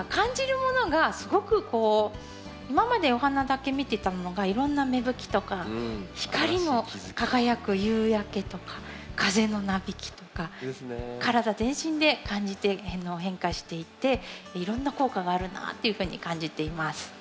今までお花だけ見てたものがいろんな芽吹きとか光も輝く夕焼けとか風のなびきとか体全身で感じて変化していっていろんな効果があるなっていうふうに感じています。